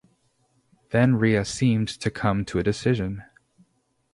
Then Rhea seemed to come to a decision.